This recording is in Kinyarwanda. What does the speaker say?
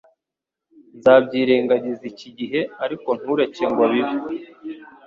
Nzabyirengagiza iki gihe, ariko ntureke ngo bibe.